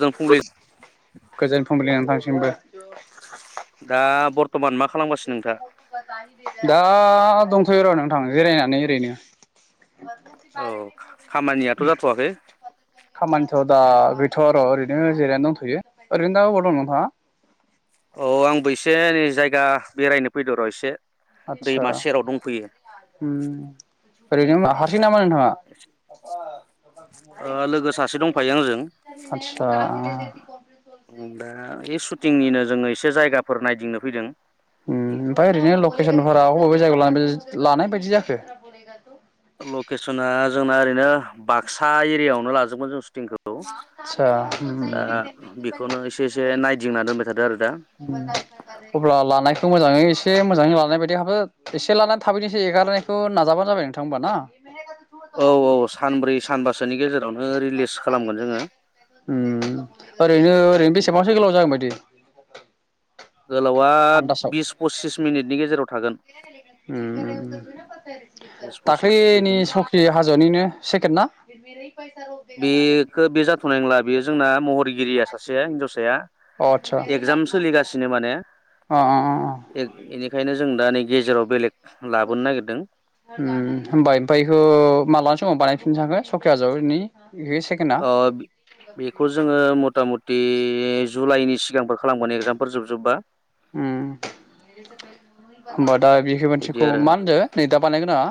जों फुंलि [unintelligible] गोजोन फुंबिलि नोंथांस जोंबो। दा बर तमान मा खालामगासिनो नोंथाङा? दा दं। थयो र' नों थां जिरायनानै ओरैनो। औ खामानियाथ' [unintelligible] जाथ'वाखै खामानिथ' दा गै थ' र' ओरैनो जिरायनानै दंथ'यो ओरैनो दा अबाव दं नोंथाङा? औ आंबो इसे नै जायगा बेरायनो फैद र' एसे आत्सा दैमा सेराव दंफैयो उम्म ओरैनो हारसिं नामा नोंथाङा? फायो आंजों आत्सा दा बे शुटिंनिनो जोङो एसे से जायगाफोर नायदिंनो फैदों। ओम ओमफाय ओरैनो लकेसनफोरा अबे अबे जायगायाव लादो लानाय बायदि जाखो? लकेसना जोंना ओरैनो बाक्सा एरियायावनो लाजोबगमोन जों स जोंखौ आतसा उम दा बेखौनो एसे एसे नायदिंना दोनबाय थादो आरो दा अब्ला लानायखौ मोजाङै एसे मोजाङै लानाय बायदि हाबो एसे लानानै थाबैनो एसे हेगारनायखौ नाजाबानो जाबाय नोंथां होमबा ना? औ औ सानब्रै सानबासोनि गेजेराव उम्म ओरैनो ओरैनो बेसेबांसो गोलाव जागोन बायदि? गोलावा बिस पसिस मिनिटनि गेजेराव थागोन। होम बिस पसिस दाख्लैनि बिदिनो सावख्रि हाजोनिनो सेकेन्द ना? बेखौ बे जाथ'नाय नंला बेयो जोंना महरगिरिया सासेया हिनजावसाया अ आतसा सिनो माने ए-एनिखायनो जों दा नै गेजेराव बेलेग लाबोनो नागिरदों होम होमबाय ओमफाय हो माला समाव बानायफिननो [unintelligible] सकियाज' बिनि ओ बेखौ जोंङो मता मत दि जुलाइनि सिगांफोर खालामगोन एगजामफोर जोब जोब्बा। उम होमबा दा बेह बिदि मोनसेखौ आरो मा होनदो नै दा बानायनो गोनाङा?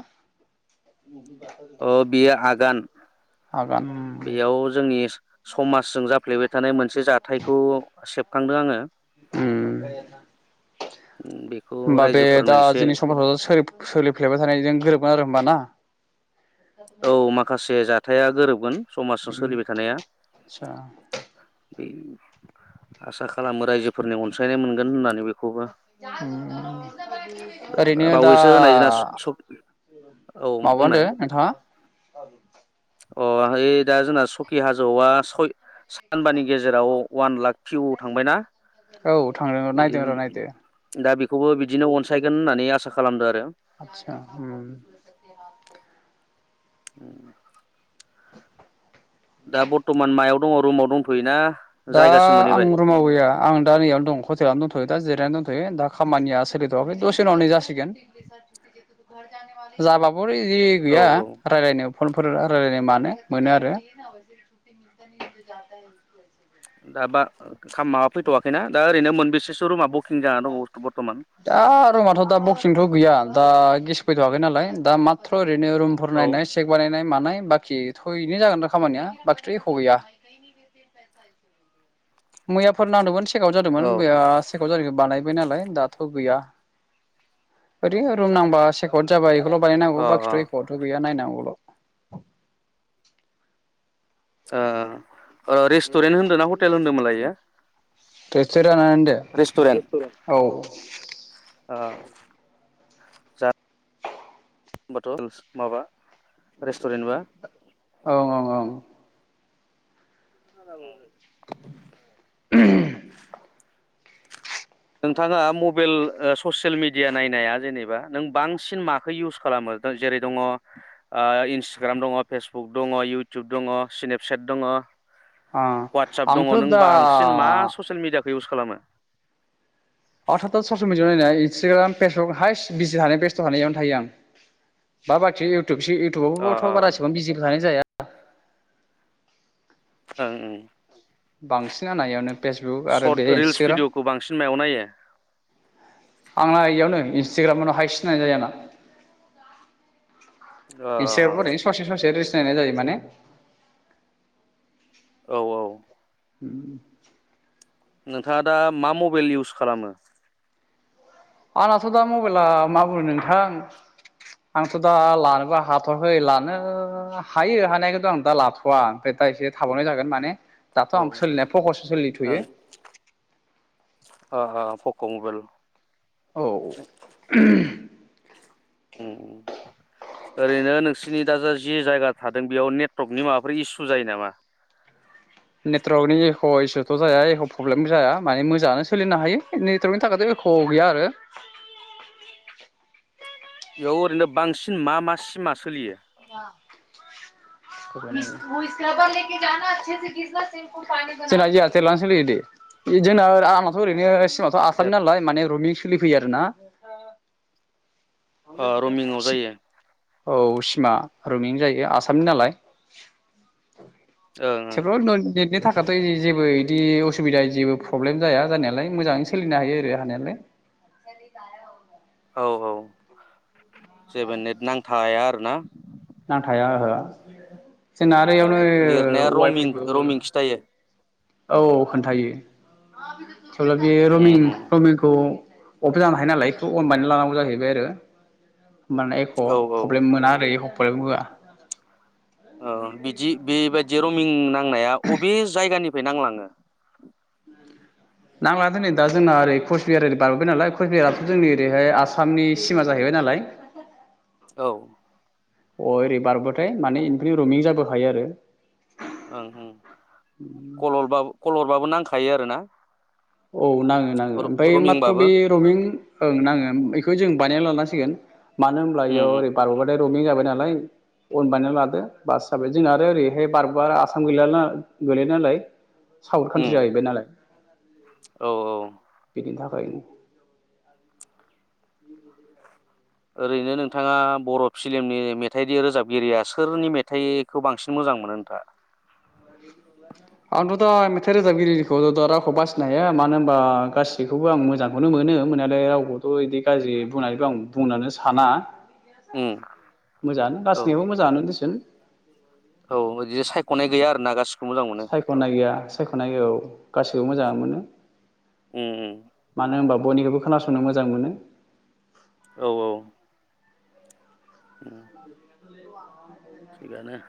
अ बियो आगान हागोन बेयाव जोंनि समाजजों जाफ्लेबाय थानाय मोनसे जाथायखौ सेबखांदों आङो। उम बेखौ होमबा बे रायजोफोरनो दा एसे जोंनि समाजाव सोलिफ सोलिफ्लेबाय थानायजों गोरोबगोन आरो होमबा ना? औ माखासे जा थाया गोरोबगोन। समाजाव उम सोलिबाय थानाया आदसा बे आसा खालामो रायजोफोरनि अनसायनाय मोनगोन होननानै बे उम ओरैनो दा बावैसो होनाय जोंना औ माबा बुंनाय होनदो नोंथाङा? [inaudible] अ ओइ दा जोंना सकि हाजौआ सय सानबानि गेजेराव उवान लाख भिउ थांबायना? औ थांदों नायदों र' नायदो। खौबो बिदिनो अनसायगोन होननानै आसा खालामदो आरो आतसा ओम उम। दा बर्टमान मायाव दङ' रुमाव दंथ'योना दा जायगासिम आं मोनहैबाय रुमाव गैया आं दा नैयावनो दं हटेलावनो दंथ यो दा जिरायना दंथ'यो दा खामानिया सोलिथ'वाखै दसे उनाव नै जासिगोन जाबा बर इरि औ गैया रायलायनायाव फनफोर रायलायनाय मानो मोनो आरो दा बा खाम माबा फैथवाखैना दा ओरैनो मोनबेसेसो रुमा बकिं जानानै दङ ब-बर्टमान? दा रुमाथ दा बखिंथ गैया दा गेस फैथवाखै नालाय दा माथ्र ओरैनो रुमफोर औ नायनाय सेक बानायनाय मानाय बाखि थ इनो जागोन दा खामानिया बाखिथ' एख गैया। मैयाफोर नांदोमोन थि चेकाव जादोंमोन औ मैया सेेकाव जानायखो बानायबाय नालाय। दाथ' गैया, ओरैनो रुम नांबा सेकद जाबाय एखौल बानायनांगौ बाखिथ' एखथ' गैया नायनांगौल [inaudible] ओ ओ रेस्टुरेन्ट होनदो ना हटेल होन्दोमोन लायो? [unintelligible] [inaudible] रेस्टुरेन्ट औ ओ [unintelligible] माबा रेस्टुरेन्ट बा औ औ औ [inaudible] [inaudible] नोंथाङा मबेइल ओ ससियेल मिडिया नायनाया जेनेबा नों बांसिन माखो इउस खालामो जेरै दङ ओ इन्सटाग्राम दङ फेसबुक दङ इउटुब दङ स्नेपसेट दङ औ वाटसाप आंथ' दङ नों दा बांसिन मा ससियेल मिडिया इउस खालामो? [unintelligible] ससेल मिदियायाव नायनाय इन्स्टाग्राम, फेसबुक हाइस बिजि हानाय बेस्थ थानाय इयावनो थायो आं बा बाखि इउ टुब अ इउटुबावबोथ अ बारा इसिबां ओं बिजि थानाय जाया [inaudible] ओं बांसिना नायो फेसबुक आरो बे सर्ट रिल्स इन्सटाग्राम। भिडिअ'खौ बांसिन मायाव नायो आंना इयावनो इन्स्टाग्रामावनो हाइस नायनाय जायो आंना। अ इन्स्टाग्रामाव ओरैनो ससे ससे रिल्स नायनाय जायो माने औ औ उम नोंथाङा दा मा मबाइल इउस खालामो? आंनाथ दा मबाइला मा बुंनो नोंथां आंथ दा लानोबो हाथवाखै लानो हायो हानायखौथ आं दा लाथवा ओमफ्राय दा एसे थाबावनाय जागोन माने दाथ' औ आं ओं सोलिनाया फकस अ सोलिथ'यो अ पक मबेल। औ [inaudible] उम ओरैनो नोंसोरनि दा जि जायगा थादों बेयाव नेटवर्कनि माबाफोर इसु जायो नामा? अ इसुथ' जाया एख प्रब्लेमबो जाया माने मोजाङानो सोलिनो हायो नेटवर्कनि थाखायथ एख गैया आरो बेयाव ओरैनो बांसिन मा मा सिमा सोलियो? [unintelligible] [unintelligible] जोंना एयारतेलानो सोलियो दे जोंना आंनाथ ओरैनो [unintelligible] आसामनि नालाय माने रमिं सोलि फैयो आरोना। ओ रमिंल' जायो। औ सिमा रमिं जायो आसामनि नालाय। ओं थेवब्लाबो [unintelligible] नेथनि थाख नाथाय जेबो इदि असुबिदा जेबो प्रब्लेम जाया जानायालाय मोजाङै सोलिनो हायो आरो हानायालाय। औ औ जेबो नेट नांथाया आरो ना। नांथाया ओहो जोंना बैआवनो लिरनाया वाय रमिं फायबो रमिं खिथायो औ खोन्थायो। अब्ला बे उम रमिं उम रमिंखौ अफ जानो हायो नालाय एखौ अन बानायनानै लानांगौ जाहैबाय आरो। माने एक' औ औ प्रब्लेम मोना आरो एक' [unintelligible] ओ बिदि बेबादि रमिं नां नांनाया अबे जायगानि फाय नांलाङो। नांला दोनै दा जोंना ओरै कचबिहार ओरै बारबोबाय नालाय कचबिहाराथ' जोंनि ओरैहाय आसामनि सिमा जाहैबाय नालाय। औ अ' ओरै बारबाथाय माने एनिफ्राय रमिं जाबोखायो आरो। ओं ओं कलहरबा कल हरबाबो नांख थायो आरोना। औ नाङो नाङो ओमफाय माथ्र' रमिंबाबो बे रमिं ओं नाङो बेखौ जों बानायना लानांसिगोन। मानो होमब्ला उम एयाव उम ओरै बारबोबाथाय रमिं जाबाय नालाय अन बानाययना लादो बास जाबाय। जोंना आरो ओरैहाय बारबोबा आसाम गैला ना गैला नालाय। साउथ उम कान्ट्रि जाहैबाय नालाय। औ औ बिनि थाखायनो ओरैनो नोंथाङा बर' फिलिमनि मेथाइनि रोजाबगिरिया सोरनि मेथाइखौ बांसिन मोजां मोनो नोंथाङा? आंथ' दा मेथाइ रोजाबगिरिखौथ' दा रावखौ बासिनो हाया मानो होनबा गासैखौबो आं मोजांखौनो मोनो मोननायालाय रावखौथ' इदि गाज्रि बुंनानैबो आं बुंनोनो साना। उम मोजाङानो औ गासैनिबो मोजाङानो देसोन औ बिदिनो सायख'नाय गैया आरो ना गासि सायख'ना गैया सायख'नाय गैया औ। गासिबो मोजाङानो मोनो। उम उम मानो होनबा बयनिखौबो खोनासंनो मोजां मोनो। औ औ उम थिगानो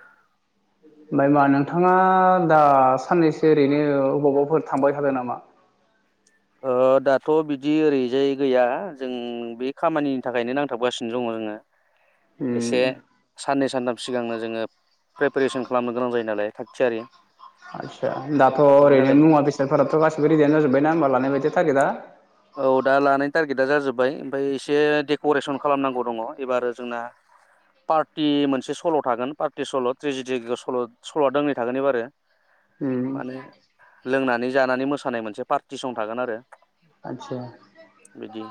ओमफाय मा नोंथाङा दा साननैसो ओरैनो अबावबाफोर थांबाय थादों नामा? ओ दाथ' बिदि ओरैजाय गैया जों बे खामानिनि थाखायनो नांथाबगासिनो दङ जोङो। उम एसे साननै सानथाम सिगांनो जोङो प्रिपेरेसन खालामनो गोनां जायो नालाय थागथियारि आदसा दाथ' ओरैनो थाखायनो मुवा बेसादफोराथ' गासिबो रेडियानो जाजोबबायना होमबा लानाय बायदि टारगेदआ औ दा लानायनि टारगेदा जाजोबबाय ओमफ्राय एसे डेक'रेसन खालामनांगौ दङ एबार जोंना पार्टि मोनसे सल' थागोन पार्टि सल' ट्रेजिडि गो सल' सल' दंनै थागोन एबारो। उम माने लोंनानै जानानै मोसानाय मोनसे पार्टिसं थागोन आरो आतसा बिदि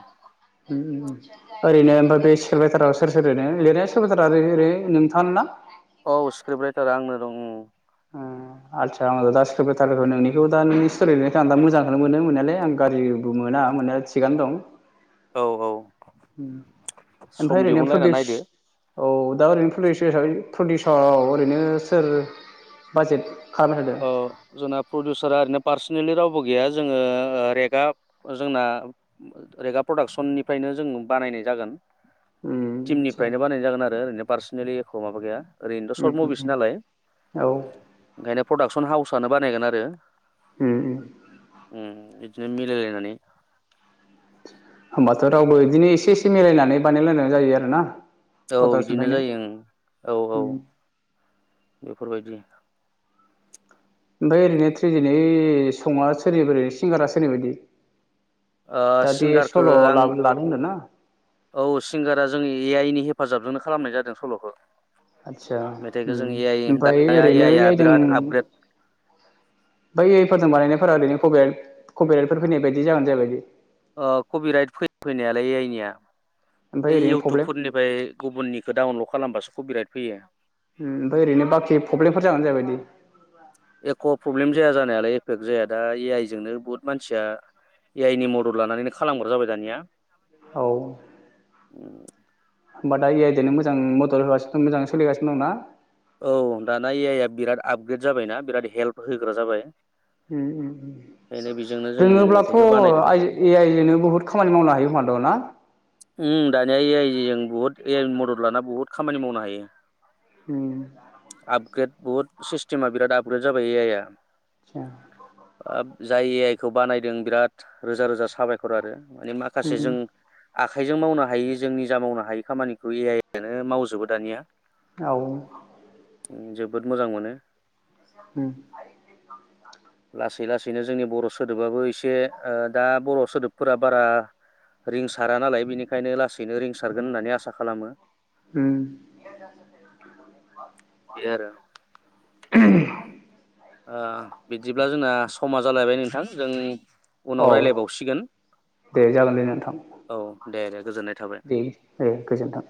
ओरैनो बे स्क्रिप्ट रायथारा सोर सोर ओरैनो लिरनाया स्क्रिप्ट रायथारा ओरै ओरै नोंथाङानो ना? औ स्क्रिप्ट राइटार आंनो दङ। ओ आदसा आं दा स्क्रिप्ट रायथारखौ नोंनि बेखौ दा नोंनि सोलायनायखौ आं दा मोजांखौनो मोनो मोननायालाय आं गाज्रिबो मोना मोननाया थिगानो दं। औ औ ओम ओमफ्राय सम ओरैनो दिहुनलायना प्रदिस नायदो औ दा ओरैनो प्रडिउसार हिसाबै प्रडिउसाव ओरैनो सोर बाजेट खालामबाय औ जोंना प्रडिउसारा ओरैनो पार नेलि रावबो गैया जोङो रेगा जोंना रेगा प्रडाक्सननिफ्रायनो जों बानायनाय जागोन। थादों उम आदसा टिमनिफ्रायनो बानायनाय जागोन आरो ओरैनो पार्सनेलि एख' माबा गैया ओरैनोथ' उम सर्ट मुभिस उम नालाय औ ओंखायनो हाउसआनो बानायगोन आरो उम उम उम इ दिनो मिलायलायनानै होमबाथ' रावबो इदिनो एसे एसे मिलायनानै बानायलायनाय जायो आरोना। औ बिदिनो पटासनिफ्रायनो जायो ओम औ उम औ बेफोरबायदि ओमफ्राय ओरैनो थ्रिजिनै सङा सोरनिबा ओरैनो सिंगारा सोरनि बायदि ओ दा दि सिंगारखौ सल' आं लाबो लानो होनदों ना औ सिंगारा जों ए आइ नि हे हफाजाबजोंनो खालामनाय जादों सल'खौ। आदसा मेथाइखौ जों ओम ए आइ ओमफ्राय दानिया ए ओरैनो आइ आ एइदों बिराद आपग्रेड ओमफ्राय एइफोरजों बानायनायफोरा ओरैनो कफिराट कफिराटफोर फैनाय बायदि जागोन जाबाय बायदि ओ कबिराइट फै फैनायालाय ए आइ निया। ओमफ्राय ओइ ओरैनो प्रब्लेम इउटुबफोरनिफाय गुबुननिखो डाउनलड खालामबासो कपिराइट फैयो। उम ओमफाय ओरैनो बाखि पब्लेमफोर जागोना जायाबादि? एख' प्रब्लेम जाया जानायालाय एफेक्ट जाया दा ए आइ जोंनो बुहुत मानसिया ए आइ नि मदद लानानैनो खालामग्रा जाबाय दानिया। [inaudible] औ होमबा दा ए आइ दोनो मोजां मदद होगासि [unintelligible] मोजां सोलिगानो दं ना? औ दाना ए आइ आ बिराद आपग्रेद जाबायना बिराद हेल्प होग्रा जाबाय। उम उम उम ओंखायनो बेजोंनो जों दोङोब्लाथ' मेथाइखौ बानायदों आइ ए आइ जोनो बुहुद खामानि मावनो हायो खोमा द ना? उम दानिया ए आइ जों बुहुद ए आइ मदद लाना बुहुद खामानि मावनो हायो। हम ग्रेड बहुद सिस्टेमा बिराद आपग्रेड जाबाय आइ आ। [inaudible] जाय ए आइ खौ बानायदों बिराद रोजा रोजा साबायखर आरो। माने माखासे उम जों आखाइजों मावनो हायि जोंनि जा मावनो हायि खामानिखौ ए आइ आनो मावजोबो दानिया औ उम जोबोद मोजां मोनो। उम लासै लासैनो जोंनि बर' सोदोबाबो एसे ओ दा बर' सोदोबफोरा बारा रिंस सारा नालाय बिनिखायनो लासैनो रिंसारगोन होननानै आसा खालामो। उम बे आरो। [unintelligible] ओ बिदिब्ला जोंना समा जालायबाय नोंथां जों उनाव औ रायलायबावसिगोन दे जागोन दे नोंथां औ दे दे गोजोननाय थाबाय। दे दे गोजोन्थों।